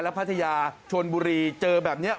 พัทยาชนบุรีเจอแบบนี้